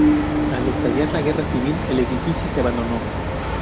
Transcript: Al estallar la Guerra Civil el edificio se abandonó.